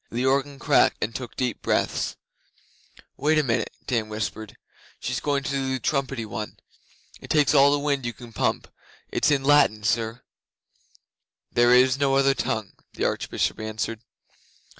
The organ cracked and took deep breaths. 'Wait a minute,' Dan whispered. 'She's going to do the trumpety one. It takes all the wind you can pump. It's in Latin, sir.' 'There is no other tongue,' the Archbishop answered.